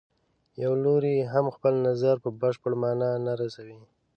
یو لوری هم خپل نظر په بشپړه معنا نه رسوي.